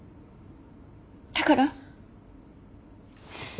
だから。